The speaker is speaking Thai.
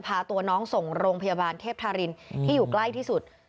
พาตัวน้องส่งโรงพยาบาลเทพธารินที่อยู่ใกล้ที่สุด